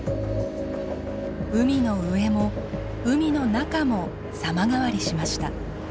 海の上も海の中も様変わりしました。